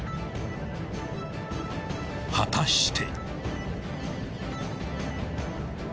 ［果たして］